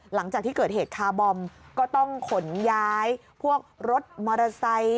หลังจากที่เกิดเหตุคาร์บอมก็ต้องขนย้ายพวกรถมอเตอร์ไซค์